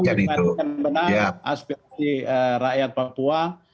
tolong diperhatikan benar aspirasi rakyat papua